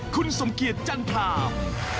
คุณสมเกียจจันทราม